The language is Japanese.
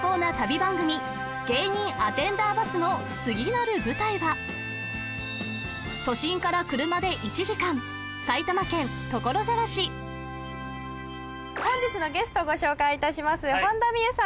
番組芸人アテンダーバスの都心から車で１時間本日のゲストご紹介いたします本田望結さん